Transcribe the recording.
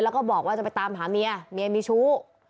แล้วก็บอกว่าจะไปตามหาเมียเมียมีชู้